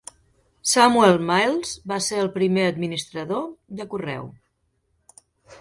Samuel Miles va ser el primer administrador de correu.